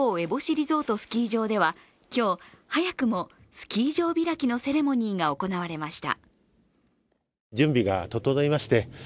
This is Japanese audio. リゾートスキー場では今日、早くもスキー場開きのセレモニーが行われました。